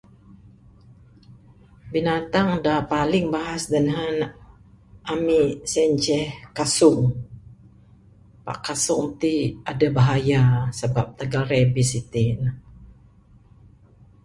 Binatang da paling bahas da nehen ami sien ceh kasung. Pak kasung ti adeh bahaya sabab tagal rabies itin ne